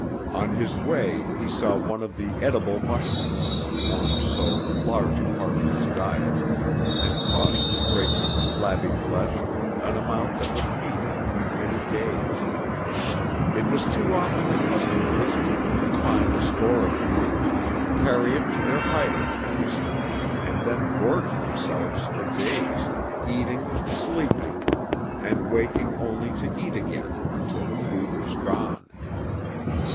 On his way he saw one of the edible mushrooms that formed so large a part of his diet, and paused to break from the flabby flesh an amount that would feed him for many days. It was too often the custom of his people to find a store of food, carry it to their hiding place, and then gorge themselves for days, eating, sleeping, and waking only to eat again until the food was gone.